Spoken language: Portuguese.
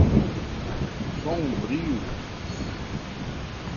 Sombrio